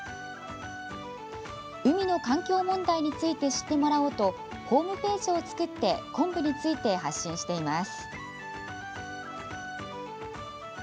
海の環境問題について知ってもらおうとホームページを作って昆布について発信しています。